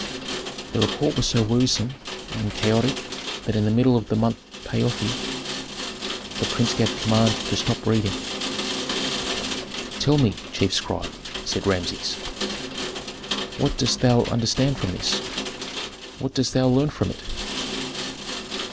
The report was so wearisome and chaotic that in the middle of the month Paofi the prince gave command to stop reading. "Tell me, chief scribe," said Rameses, "what dost thou understand from this? What dost thou learn from it?"